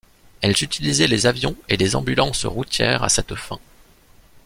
Elles utilisaient les avions et les ambulances routières à cette fin.